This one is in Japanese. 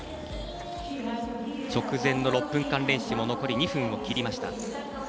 直前の６分間練習も残り２分を切りました。